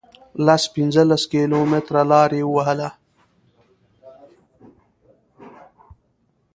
لس پنځلس کیلومتره لار یې ووهله.